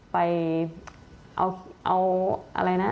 ไปเอาเอาอะไรนะ